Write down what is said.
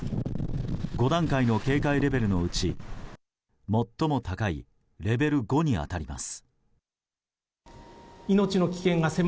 ５段階の警戒レベルのうち最も高いレベル５に当たります。